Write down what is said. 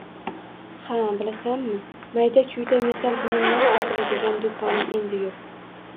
Ha, bilasanmi, mayda-chuyda metall buyumlar sotiladigan do`konim endi yo`q